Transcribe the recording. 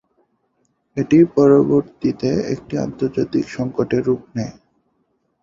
এটি পরবর্তীতে একটি আন্তর্জাতিক সংকটে রূপ নেয়।